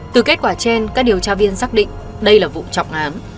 từ kết quả trên các điều tra viên xác định đây là vụ trọng án